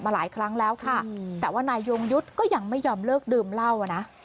หลายครั้งแล้วค่ะแต่ว่านายยงยุทธ์ก็ยังไม่ยอมเลิกดื่มเหล้าอ่ะนะ